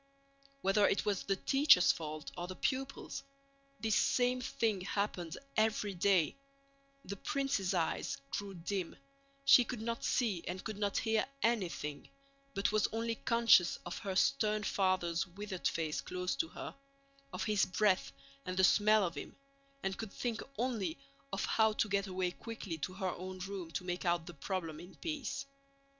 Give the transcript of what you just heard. Whether it was the teacher's fault or the pupil's, this same thing happened every day: the princess' eyes grew dim, she could not see and could not hear anything, but was only conscious of her stern father's withered face close to her, of his breath and the smell of him, and could think only of how to get away quickly to her own room to make out the problem in peace.